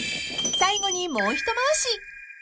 ［最後にもう一回し］